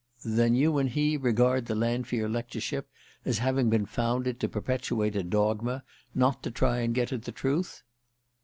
"Then you and he regard the Lanfear lectureship as having been founded to perpetuate a dogma, not to try and get at the truth?"